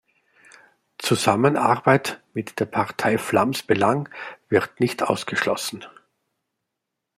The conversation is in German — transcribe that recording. Zusammenarbeit mit der Partei Vlaams Belang wird nicht ausgeschlossen.